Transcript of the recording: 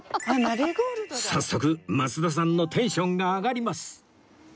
早速増田さんのテンションが上がります